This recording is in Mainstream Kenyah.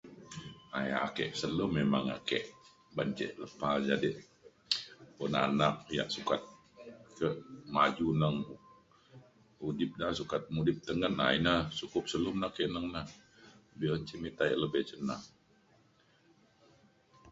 yak ake selum memang ake ban ke lepa jadek un anak yak sukat ke- maju neng udip da sukat mudip tengen. um na ina sukup selum na ake neng na be’un ce minta yak lebih cin na